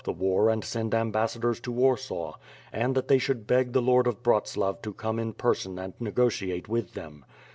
the war and send ambassadors to Warsaw; and that they should beg the Lord of Bratslav to come in person and negotiate with them.